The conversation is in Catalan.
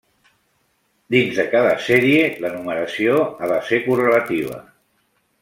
Dins de cada sèrie la numeració ha de ser correlativa.